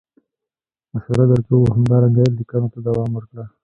مشوره در کوو همدارنګه لیکنو ته دوام ورکړه.